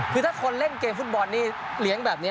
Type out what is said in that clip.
คือถ้าคนเล่นเกมฟุตบอลนี่เลี้ยงแบบนี้